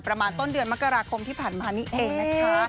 ประมาณต้นเดือนมกราคมที่ผ่านมานี่เองนะคะ